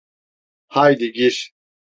Haydi gir.